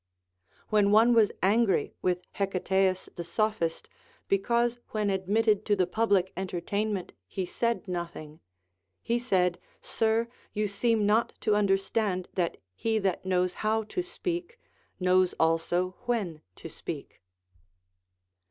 When one was angry with Hecataeus the Sophist because when ad mitted to the public entertainment he said nothing, he said, Sir, you seem not to understand that he that knows how to speak knows also when to speak.